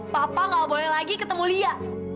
papa gak boleh lagi ketemu lia